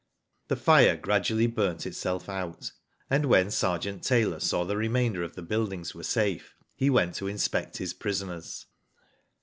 The fire gradually burnt itself out, and when Sergeant Tyler saw the remainder of the build ings were safe, he went to inspect his prisoners.